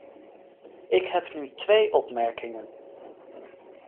Ik heb nu twee opmerkingen.